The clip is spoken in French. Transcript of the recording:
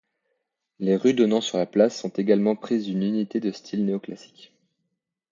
Les rues donnant sur la place ont également pris une unité de style néoclassique.